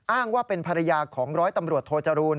อ้างว่าเป็นภรรยาของร้อยตำรวจโทจรูล